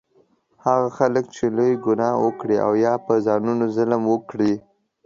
هغه خلک چې لویه ګناه وکړي او یا په ځانونو ظلم وکړي